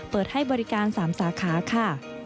เปิดให้บริการ๓สาขาค่ะ